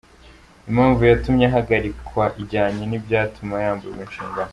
Impamvu yatumye ahagarikwa ijyanye n’ibyatumye yamburwa inshingano.